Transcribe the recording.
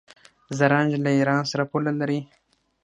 زرنج له ایران سره پوله لري.